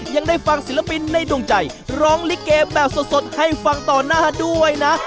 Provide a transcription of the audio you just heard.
ยังได้ฟังศิลปินในดวงใจร้องลิเกแบบสดให้ฟังต่อหน้าด้วยนะ